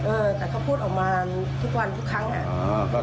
เออแต่เขาพูดออกมาทุกวันทุกครั้งอ่ะ